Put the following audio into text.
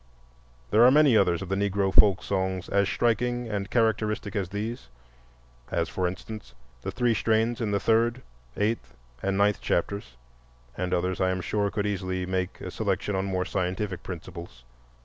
There are many others of the Negro folk songs as striking and characteristic as these, as, for instance, the three strains in the third, eighth, and ninth chapters; and others I am sure could easily make a selection on more scientific principles.